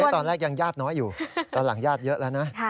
ตอนแรกยังญาติน้อยอยู่ตอนหลังญาติเยอะแล้วนะ